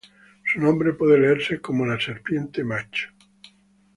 Su nombre puede leerse como "la serpiente macho".